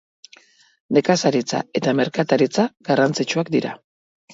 Nekazaritza eta merkataritza garrantzitsuak dira.